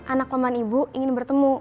anak oman ibu ingin bertemu